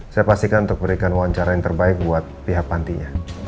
saya pastikan untuk berikan wawancara yang terbaik buat pihak pantinya